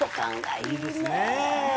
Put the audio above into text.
いいですね。